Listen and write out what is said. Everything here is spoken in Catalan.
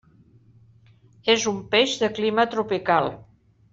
És un peix de clima tropical.